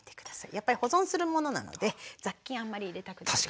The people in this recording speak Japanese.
やっぱり保存するものなので雑菌あんまり入れたくないですね。